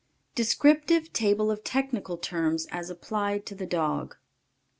DESCRIPTIVE TABLE OF TECHNICAL TERMS AS APPLIED TO THE DOG.